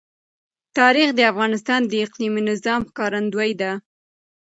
تاریخ د افغانستان د اقلیمي نظام ښکارندوی ده.